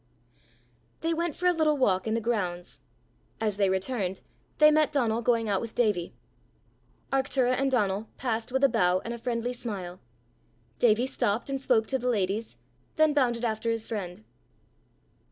They went for a little walk in the grounds; as they returned they met Donal going out with Davie. Arctura and Donal passed with a bow and a friendly smile; Davie stopped and spoke to the ladies, then bounded after his friend.